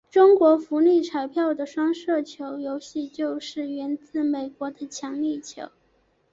中国福利彩票的双色球游戏就是源自美国的强力球。